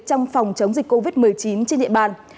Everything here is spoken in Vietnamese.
trong phòng chống dịch covid một mươi chín trên địa bàn